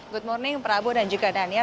good morning prabu dan juga dania